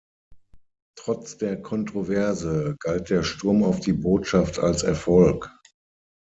Trotz der Kontroverse galt der Sturm auf die Botschaft als Erfolg.